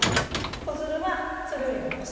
子づるはそれよりも細いです。